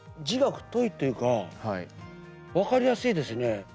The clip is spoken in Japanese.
字が太いというか分かりやすいですね。